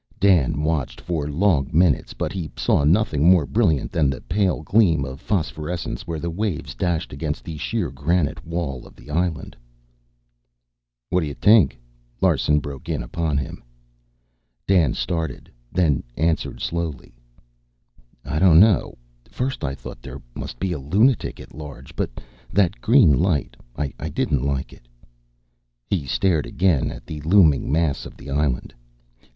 Dan watched for long minutes, but he saw nothing more brilliant than the pale gleam of phosphorescence where the waves dashed against the sheer granite wall of the island. "What you t'ank?" Larsen broke in upon him. Dan started, then answered slowly. "I don't know. First I thought there must be a lunatic at large. But that green light! I didn't like it." He stared again at the looming mass of the island.